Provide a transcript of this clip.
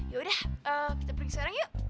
yaudah kita pergi sekarang yuk